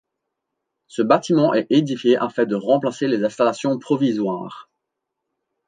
Ce bâtiment est édifié afin de remplacer les installations provisoires.